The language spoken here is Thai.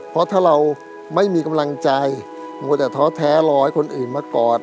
เพราะถ้าเราไม่มีกำลังใจมันก็จะท้อแท้รอให้คนอื่นมากอด